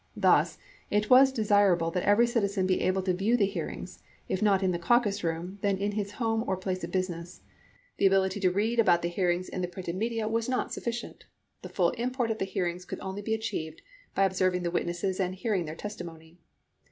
Thus, it was desirable that every citizen be able to view the hearings, if not in the Caucus Room, then in his home or place of business. The ability to read about the hearings in the printed media was not sufficient. The full import of the hearings could xxxn only be achieved by observing the witnesses and hearing their testimony.